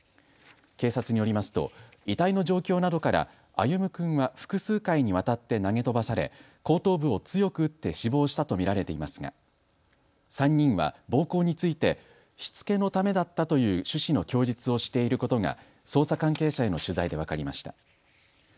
警察によりますと遺体の状況などから歩夢君は複数回にわたって投げ飛ばされ後頭部を強く打って死亡したと見られていますが３人は暴行についてしつけのためだったという趣旨の供述をしていることが捜査関係者への取材で分かりました。